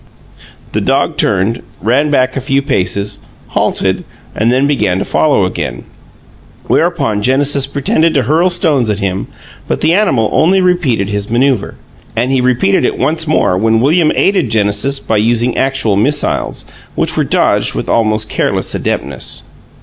The dog turned, ran back a few paces, halted, and then began to follow again, whereupon Genesis pretended to hurl stones at him; but the animal only repeated his manoeuver and he repeated it once more when William aided Genesis by using actual missiles, which were dodged with almost careless adeptness.